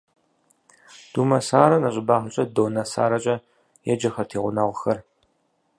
Думэсарэ нэщӏыбагъкӏэ «Доннэ Саракӏэ» еджэхэрт и гъунэгъухэр.